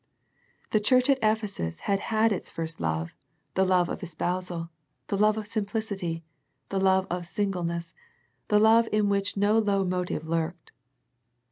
The church at Ephesus had had its first love, the love of es pousal, the love of simplicity, the love of singleness, the love in which no low motive lurked.